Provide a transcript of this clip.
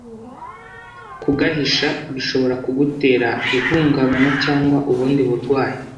Kugahisha bishobora kugutera ihungabana cyangwa ubundi burwayi”